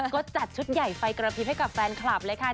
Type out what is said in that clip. ก็จัดชุดใหญ่ไฟกระพริบให้กับแฟนคลับเลยค่ะ